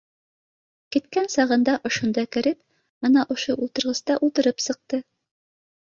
Киткән сағында ошонда кереп, ана ошо ултырғыста ултырып сыҡты